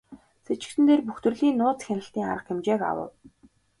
Сэжигтэн дээр бүх төрлийн нууц хяналтын арга хэмжээг авав.